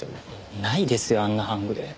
ないですよあんな半グレ。